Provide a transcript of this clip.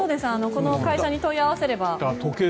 この会社に問い合わせれば。